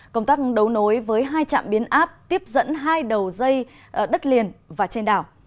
công tác đấu nối với hai trạm biến áp tiếp dẫn hai đầu dây đất liền và trên đảo